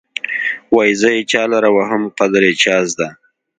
وايې زه یې چا لره وهم قدر يې چا زده.